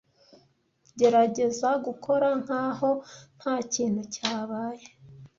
Gerageza gukora nkaho ntakintu cyabaye.